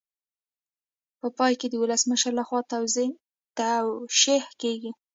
په پای کې د ولسمشر لخوا توشیح کیږي.